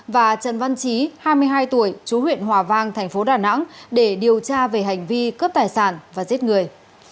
và trần văn trí hai mươi hai tuổi chú huyện hòa vang thành phố đà nẵng để điều tra về hành vi cướp tài sản và giết người